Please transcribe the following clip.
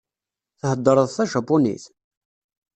Theddreḍ tajapunit?